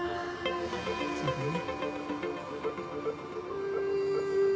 そうだね。